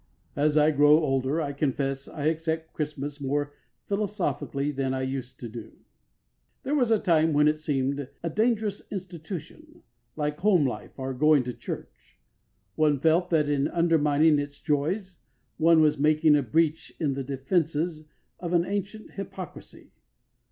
As I grow older, I confess, I accept Christmas more philosophically than I used to do. There was a time when it seemed a dangerous institution, like home life or going to church. One felt that in undermining its joys one was making a breach in the defences of an ancient hypocrisy.